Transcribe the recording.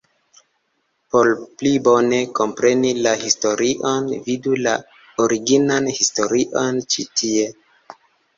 Por pli bone kompreni la historion vidu la originan historion ĉi tie!